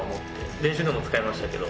練習でも使いましたけど。